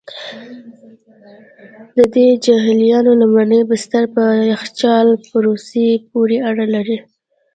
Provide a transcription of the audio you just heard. د دې جهیلونو لومړني بستر په یخچالي پروسې پوري اړه لري.